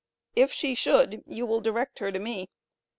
If she should, you will direct her to me.